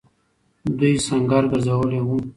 دوی سنګر گرځولی وو.